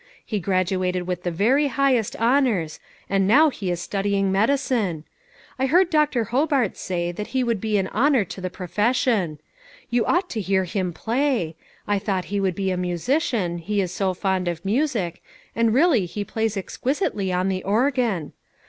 He graduated with the very highest honors, and now he is studying medicine. I heard Dr. Hobart say that he would be an honor to the profession. You ought to hear him play ; I thought he would be a musician, he is so fond of music, and really he plays exquisitely on the organ.